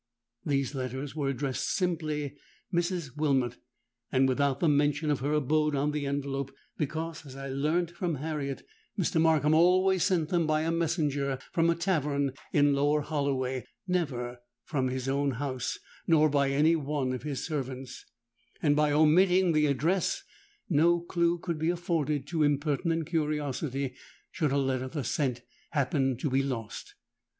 These letters were addressed simply 'Mrs. Wilmot,' and without the mention of her abode on the envelope; because, as I learnt from Harriet, Mr. Markham always sent them by a messenger from a tavern in Lower Holloway—never from his own house, nor by any one of his servants; and by omitting the address, no clue could be afforded to impertinent curiosity should a letter thus sent happen to be lost.